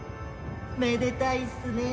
めでたいっすねえ。